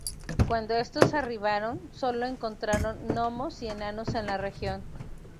Cuando estos arribaron, sólo encontraron gnomos y enanos en la región.